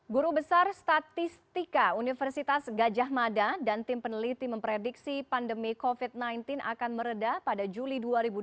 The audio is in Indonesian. guru besar statistika universitas gajah mada dan tim peneliti memprediksi pandemi covid sembilan belas akan meredah pada juli dua ribu dua puluh